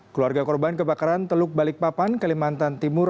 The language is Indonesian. keluarga korban kebakaran teluk balikpapan kalimantan timur